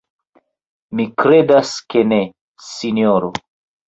Mi kredas ke ne, sinjoro.